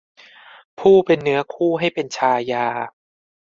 ผู้เป็นเนื้อคู่ให้เป็นชายา